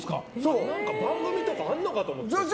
番組とかあるのかと思った。